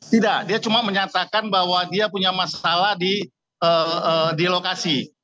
tidak dia cuma menyatakan bahwa dia punya masalah di lokasi